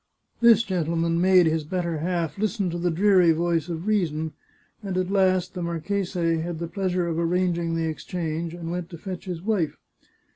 This gentleman made his better half listen to the dreary voice of reason, and at last the marchese had the pleasure of arranging the ex change, and went to fetch his wife.